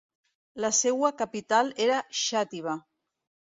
La seua capital era Xàtiva.